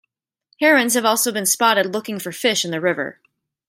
Herons have also been spotted looking for fish in the river.